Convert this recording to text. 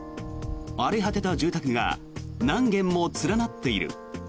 荒れ果てた住宅が何軒も連なっている。